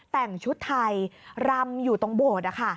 แต่งชุดไทยรำอยู่ตรงโบสถ์